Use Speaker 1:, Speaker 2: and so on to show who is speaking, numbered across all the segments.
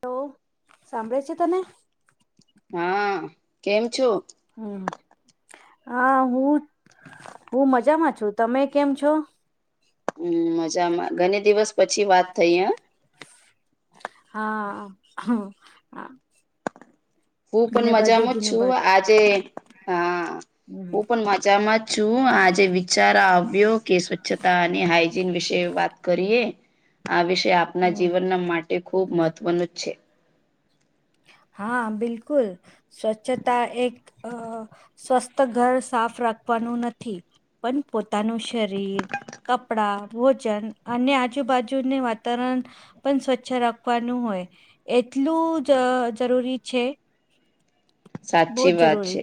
Speaker 1: Hello સાંભળે છે તને?
Speaker 2: હા કેમ છો?
Speaker 1: હમ હ હું હું મજામાં છું તમે કેમ છો?
Speaker 2: હમ મજામાં ઘણી દિવસ પછી વાત થઈ હ.
Speaker 1: હા હ હ.
Speaker 2: હું પણ મજામાં
Speaker 1: દિનો
Speaker 2: છું
Speaker 1: બાદ
Speaker 2: આજે હા
Speaker 1: હમ
Speaker 2: હું પણ મજામાં જ. છું આજે વિચાર આવ્યો કે સ્વચ્છતા અને હાઈજીન વિશે વાત કરીએ. આ વિષય આપના
Speaker 1: હમ
Speaker 2: જીવનના માટે ખૂબ મહત્વનું જ છે.
Speaker 1: હા બિલકુલ. સ્વચ્છતા એક અ સ્વસ્થ ઘર સાફ રાખવાનું નથી. પણ પોતાનું શરીર કપડાં ભોજન અને આજુબાજુને વાતાવરણ પણ સ્વચ્છ રાખવાનું હોય એટલું જ જરૂરી છે. બહુ
Speaker 2: સાચી
Speaker 1: જ
Speaker 2: વાત
Speaker 1: જરૂરી
Speaker 2: છે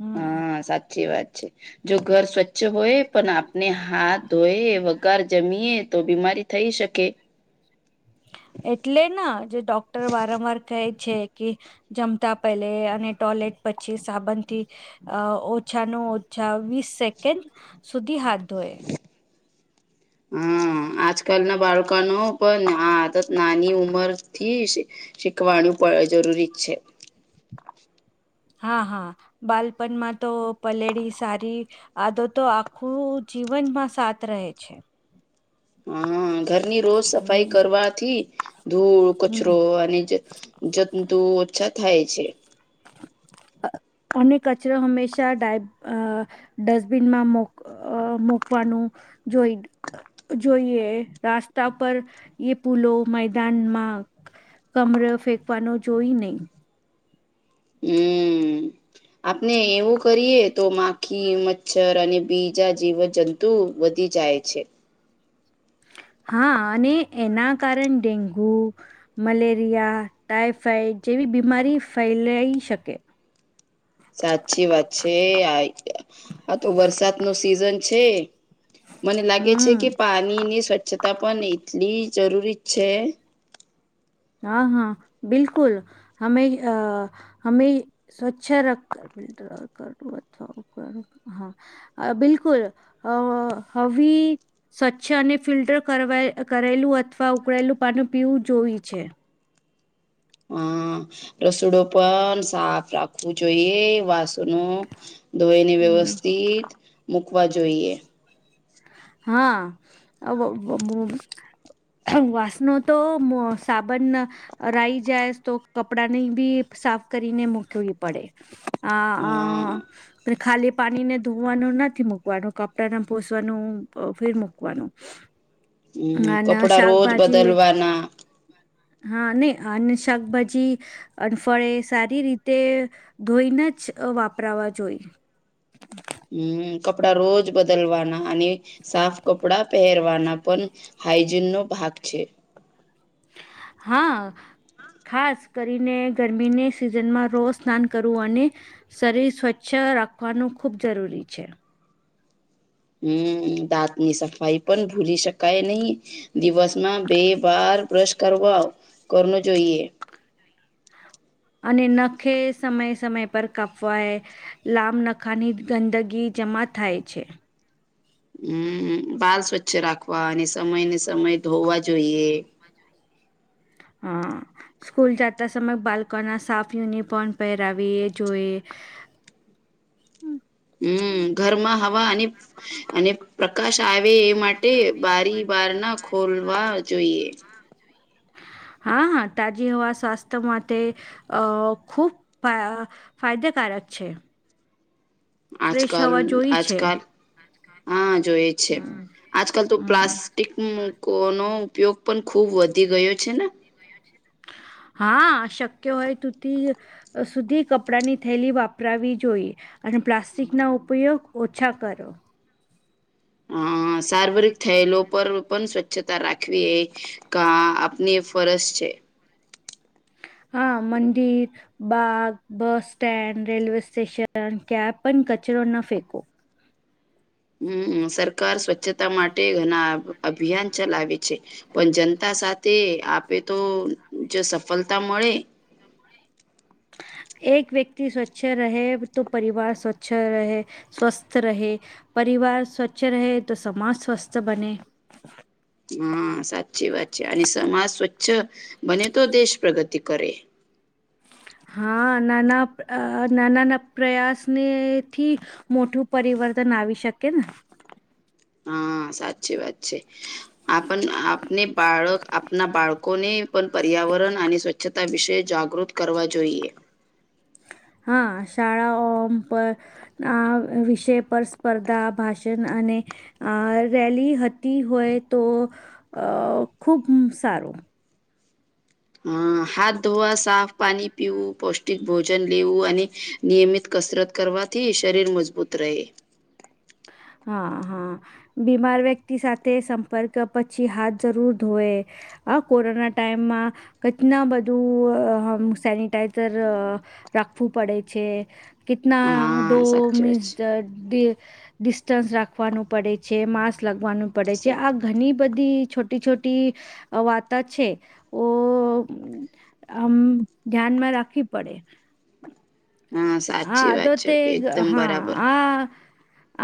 Speaker 1: હમ
Speaker 2: હા સાચી વાત છે. જો ઘર સ્વચ્છ હોય પણ આપને હાથ ધોય વગાર જમીએ તો બીમારી થઈ શકે.
Speaker 1: એટલે ના જે ડોક્ટર વારંવાર કહે છે કે જમતા પેલે અને ટોયલેટ પછી સાબનથી અ ઓછાનો ઓછા વીસ સેકન્ડ સુધી હાથ ધોએ.
Speaker 2: હમ. આજકાલ ના બાળકાનો પણ આદત નાની ઉંમર થી શીખવાનું પણ જરૂરી છે.
Speaker 1: હા હા બાલપણમાં તો પલેળી સારી આદતો આખું જીવનમાં સાથ રહે છે.
Speaker 2: હા ઘરની રોજ સફાઈ
Speaker 1: હમ
Speaker 2: કરવાથી ધૂળ
Speaker 1: હમ
Speaker 2: કચરો અને જ જંતુ ઓછા થાય છે.
Speaker 1: અને કચરો હંમેશા ડાય ડસ્ટબિનમાં મોક અ મકવાનું જોઈ. જોઈએ રાસ્તા પર એ પુલો મેદાન માગ કમર ફેંકવાનો જોઈ નહી.
Speaker 2: હમ
Speaker 1: [inaudible]
Speaker 2: આપણે એવું કરીએ તો માખી મચ્છર અને બીજા જીવજંતુ વધી જાય છે.
Speaker 1: હા અને એના કારણ ડેન્ગુ મલેરિયા ટાઈફાઈડ જેવી બીમારી ફેલાઈ શકે.
Speaker 2: સાચી વાત છે આ આ તો વરસાદ નો સિઝન છે. મને લાગે છે
Speaker 1: હમ
Speaker 2: કે પાણીની સ્વચ્છતા પણ એટલી જરૂરી છે.
Speaker 1: હા હા બિલકુલ. હમે અ હમે સ્વચ્છ રખ કર હા બિલકુલ અ હવી સ્વચ્છ અને ફિલ્ટર કરેલું અથવા ઉકળેલું પાનું પીવું જોઈ છે.
Speaker 2: હા રસોડો પણ સાફ રાખવું જોઈએ વાસુનો ધોઈને
Speaker 1: હમ
Speaker 2: વ્યવસ્થિત મૂકવા જોઈએ.
Speaker 1: હા. વાસનો તો સાબન રાઈ જાય તો કપડા ની બી સાફ કરીને મુકવી પડે. હ હ
Speaker 2: હા
Speaker 1: પણ ખાલી પાણી ને ધોવાનું નથી મૂકવાનું કપડા ના ભોસવાનું નું ફેર મુકવાનું
Speaker 2: હમ
Speaker 1: અને
Speaker 2: કપડા રોજ
Speaker 1: શાકભાજી
Speaker 2: બદલવાના
Speaker 1: હા નહી અને શાકભાજી અને ફળ સારી રીતે ધોઈને જ વાપરાવા જોઈએ.
Speaker 2: હમ કપડા રોજ બદલવાના અને સાફ કપડા પહેરવાના પણ હાઈજિન ભાગ છે
Speaker 1: હા ખાસ કરીને ગરમીની સિઝનમાં રોજ સ્નાન કરવું અને શરીર સ્વચ્છ રાખવાનું ખૂબ જરૂરી છે.
Speaker 2: હમ દાંતની સફાઈ પણ ભૂલી શકાય નહી દિવસમાં બે વાર બ્રશ કરવા કરવુ જોઈએ.
Speaker 1: અને નખે સમયે સમય પર કાપવાય લાંબ નખાની ગંદગી જમા થાય છે
Speaker 2: હમ બાલ સ્વચ્છ રાખવા અને સમય ને સમય ધોવા જોઈએ
Speaker 1: હ [unintelligible] સ્કૂલ જાતા સમય બાલકોના સાફ યુનિફોર્મ પહેરાવી એ જોઈએ
Speaker 2: હમ ઘરમાં હવા અને અને પ્રકાશ આવે એ માટે માટે બારી બારણા ખોલવા જોઈએ.
Speaker 1: હા હા તાજી હવા સ્વાસ્થ્ય માટે અ ખૂબ ફાયદેકારક છે ફ્રેશ
Speaker 2: આજકાલ
Speaker 1: હવા જોઈ છે
Speaker 2: આજકાલ હા જોઈ
Speaker 1: હમ હમ
Speaker 2: મૂકો નો ઉપયોગ પણ ખુબ વધી ગયો છે ને
Speaker 1: હા શક્ય હોય તુથી સુધી કપડાંની થેલી વાપરાવી જોઈએ. અને પ્લાસ્ટિકના ઉપયોગ ઓછા કરો.
Speaker 2: અ સાર્વરિક થયેલો પર પણ સ્વચ્છતા રાખવી એ ક આપની ફરજ છે.
Speaker 1: હા મંદિર બાગ, બસ સ્ટેન્ડ, રેલ્વે સ્ટેશન ત્યાં પણ કચરો ના ફેકો
Speaker 2: હમ સરકાર સ્વચ્છતા માટે ઘણા અભિયાન ચલાવે છે પણ જનતા સાથે આપે તો જ સફલતા મળે
Speaker 1: એક વ્યક્તિ સ્વચ્છ રહે તો પરિવાર સ્વચ્છ રહે સ્વસ્થ રહે પરિવાર સ્વચ્છ રહે તો સમાજ સ્વસ્થ બને
Speaker 2: હા સાચી વાત છે અને સમાજ સ્વચ્છ બને તો દેશ પ્રગતિ કરે.
Speaker 1: હા નાના નાનાના પ્રયાસનેથી મોટું પરિવર્તન આવી શકે ને
Speaker 2: હા સાચી વાત છે આપ આપને બાળક આપના બાળકોને પણ પર્યાવરણ અને સ્વચ્છ તાં વિશે જાગૃત કરવા જોઈએ.
Speaker 1: હા શાળા ઓ પ આ વિષય પર સ્પર્ધા ભાષણ અને અ- રેલી હતી હોય તો અ ખુબ સારું
Speaker 2: અ હાથ ધોવા સાફ પાણી પીવું પૌષ્ટિક ભોજન લેવું અને નિયમિત કસરત કરવાથી શરીર મજબૂત રહે
Speaker 1: હા હા બીમાર વ્યક્તિ સાથે સંપર્ક પછી હાથ જરૂર ધોવે હ કોરોના ટાઈમમાં કેટના બધું સેનિટાઈઝર રાખવું પડે છે કેતના
Speaker 2: હા
Speaker 1: ડો [unintelligible]
Speaker 2: સાચી વાત
Speaker 1: મીન્સ
Speaker 2: છે
Speaker 1: ડિસ્ટન્સ રાખવાનું પડે છે માસ્ક લાગવાનું પડે છે
Speaker 2: સા
Speaker 1: આ ઘણી બધી છોટી છોટી વાતો છે ઓ આમ ધ્યાનમાં રાખવી પડે
Speaker 2: હા
Speaker 1: [unintelligible] આ
Speaker 2: સાચી વાત છે એકદમ બરાબર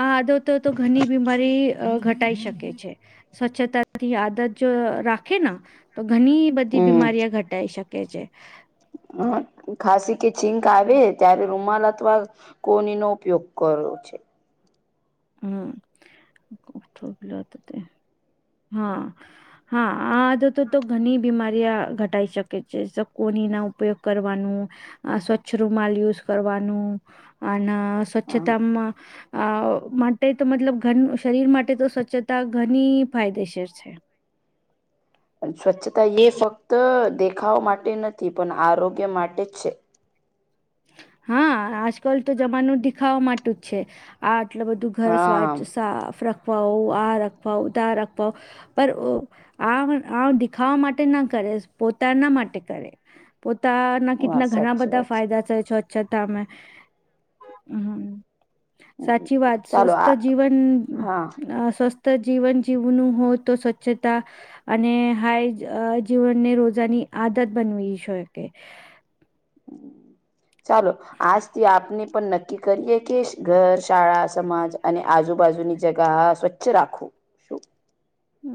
Speaker 1: આદોતો તો ઘણી બીમારી ઘટાઈ શકે છે. સ્વચ્છતાથી આદત જો રાખે તો ઘણી બધી બીમારી ઘટ ટાઈ શકે છે.
Speaker 2: હા ખાસી કે છીંક આવે ત્યારે રૂમાલ અથવા કોની નો ઉપયોગ કરવો છે.
Speaker 1: હમ [unintelligible] કલ હતા તે હા હા આધતો તો ઘણી બીમારી ઘટાઈ શકે છે કોની ના ઉપયોગ કરવાનું અ સ્વચ્છ રૂમાલ યુઝ કરવાનું અને
Speaker 2: હા
Speaker 1: સ્વચ્છતામાં માટે તો મતલબ ઘન શરીર માટે તો સ્વચ્છતા ઘણી ફાયદેસર છે.
Speaker 2: સ્વચ્છતા એ ફક્ત દેખાવ માટે નથી પણ આરોગ્ય માટે જ છે.
Speaker 1: હા આજકાલ તો જમાનું દેખાવા માટે જ છે આ આટલ બધું ઘર સ્વા
Speaker 2: હા
Speaker 1: સાફ રખવાઓ આ રખવાઓ તાર રખવાઓ પર આ આ દેખાવા માટે ના કરે પોતાના માટે કરે પોતાના
Speaker 2: હા
Speaker 1: કીતના ઘણા
Speaker 2: સાચી
Speaker 1: બધા
Speaker 2: વાત છે
Speaker 1: ફાયદા છચછ તમે સાચી વાત
Speaker 2: ચાલો
Speaker 1: સ્વસ્થ
Speaker 2: આ
Speaker 1: જીવન
Speaker 2: હા
Speaker 1: સ્વસ્થ જીવન જીવનું હોય તો સ્વચ્છતા અને હાઈ જીવનને રોજાની આદત બનવી શકે [unintelligible]
Speaker 2: ચાલો આજથી આપને પણ નક્કી કરીએે કે ઘર શાળા સમાજ અને આજુબાજુની જગા સ્વચ્ વચ્ચે રાખું
Speaker 1: હ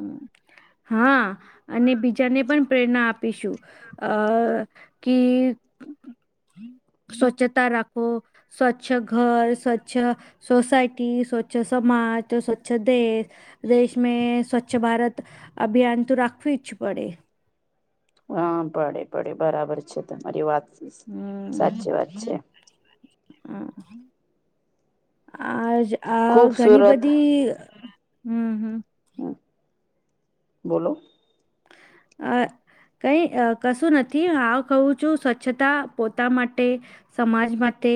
Speaker 1: હા અને બીજાને પણ પ્રેરણા આપીશું અ કે સ્વચ્છતા રાખો સ્વચ્છ ઘર સ્વચ્છ સોસાયટી સ્વચ્છ સમાજ સ્વચ્છ દેશ દેશ મે સ્વચ્છ ભારત અભિયાન તો રાખવું જ પડે
Speaker 2: હા પડે પડે બરાબર છે, તમારી વાત સાચી વાત છે.
Speaker 1: હ આજ
Speaker 2: ખુબ
Speaker 1: ઘણી
Speaker 2: સુરત
Speaker 1: બધી હમ્મ--હમ્મ.
Speaker 2: હમ્મ બોલો
Speaker 1: અ કઈ કશું નથી હ કહું છું સ્વચ્છતા પોતા માટે સમાજ માટે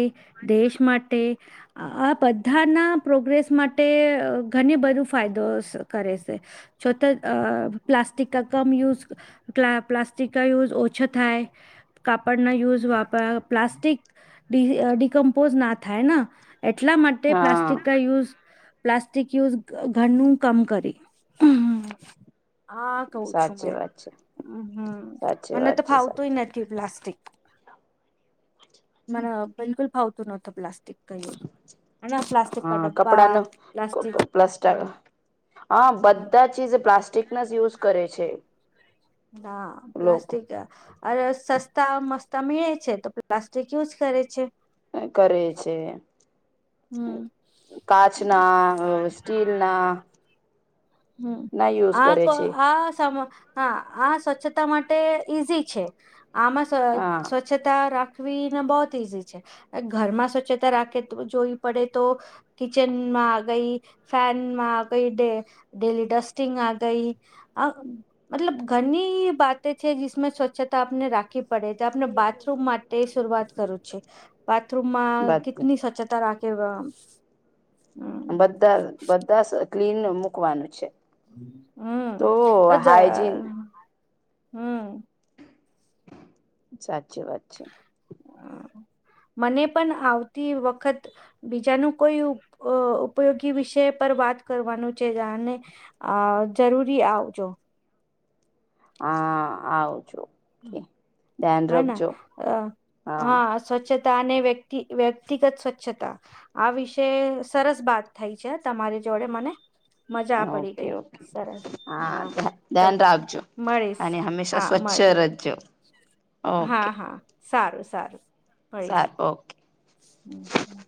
Speaker 1: દેશ માટે આ બધાના પ્રોગ્રેસ માટે ઘણી બધું ફાયદો કરે છે. છતા અ પ્લાસ્ટિક કમ યુઝ પ પ્લાસ્ટિક ના યુઝ ઓછા થાય કાપડના યુઝ વાપ પ્લાસ્ટિક ડિકમ્પોઝ ના થાય ને એટલા માટે પ્લાસ્ટિક
Speaker 2: હા
Speaker 1: યુઝ પ્લાસ્ટિક યુઝ ઘરનું કામ કરી કઉ છું
Speaker 2: સાચી
Speaker 1: મેં
Speaker 2: વાત છે
Speaker 1: હમ
Speaker 2: સાચી
Speaker 1: મને તો
Speaker 2: વાત છે
Speaker 1: ફાવતુંય
Speaker 2: સાચી
Speaker 1: નથી પ્લાસ્ટિક
Speaker 2: અચ્છા
Speaker 1: મ બિલકુલ ફાવતું નહોતું પ્લાસ્ટિક હે પ્લાસ્ટિક કા
Speaker 2: હા
Speaker 1: ડબ્બા
Speaker 2: કપડાનું
Speaker 1: પ્લાસ્ટિક
Speaker 2: પ્લાસ્ટર
Speaker 1: હમ
Speaker 2: હા
Speaker 1: હમ
Speaker 2: બધા ચીજ પ્લાસ્ટિક ના જ યુઝ કરે છે.
Speaker 1: ના
Speaker 2: લોકો
Speaker 1: પ્લાસ્ટિક અ સસ્તા મસ્તા મળે છે તો પ્લાસ્ટિક યુઝ કરે છે.
Speaker 2: કરે છે.
Speaker 1: હમ
Speaker 2: કચના
Speaker 1: કાચના
Speaker 2: સ્ટીલના
Speaker 1: હમ
Speaker 2: ના યુઝ
Speaker 1: આ
Speaker 2: કરે
Speaker 1: કો
Speaker 2: છે
Speaker 1: આ સમ હા આ સ્વચ્છતા માટે ઈઝી છે, આમાંવ
Speaker 2: હા
Speaker 1: સ્વચ્છતા રાખવીને બહુત ઈઝી છે ઘર માં સ્વચ્છતા રાખે જોવી પડે તો કિચનમાં ગઈ ફેનમાં ગઈ ડ ડેલી ડસ્ટિંગ આ ગઈ આ મતલબ ઘણી વાતે છે, જસમાં સ્વચ્છતા આપને રાખી પડે તો આપણે બાથરૂમ માટે શરૂઆત કરું છે બાથરૂમમાં કેટની
Speaker 2: બધા
Speaker 1: સ્વચ્છતા રાખ કેવા
Speaker 2: બધા બધા ક્લીન મુૂકવાનું છે.
Speaker 1: હમ
Speaker 2: તો
Speaker 1: રજ
Speaker 2: હાઈજીન
Speaker 1: હમ
Speaker 2: સાચી વાત છે.
Speaker 1: મને પણ આવતી વખત બીજાનું કોઈ ઉપયોગી વિષય પર વાત કરવાનું છે, જાને અ જરૂરી આવજો
Speaker 2: હા આવઉજું
Speaker 1: હના અ હા સ્વચ્છતા અને વ્યક્તિ વ્યક્તિગત સ્વચ્છતા આ વિશે સરસ વાત થઈ છે, તમારી જોડે મને મજા પડી
Speaker 2: ઓકે
Speaker 1: ગઈ
Speaker 2: ઓકે
Speaker 1: સરસ
Speaker 2: હા
Speaker 1: ચલ
Speaker 2: ધ્યાન રાખજો
Speaker 1: મળીશ
Speaker 2: અને હંમેશા
Speaker 1: હા
Speaker 2: સ્વચ્છ
Speaker 1: મળ
Speaker 2: રજો
Speaker 1: હા હા સારું સારું
Speaker 2: સાર ઓકે
Speaker 1: હમમ